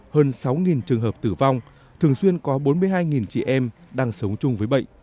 hơn sáu trường hợp tử vong thường xuyên có bốn mươi hai chị em đang sống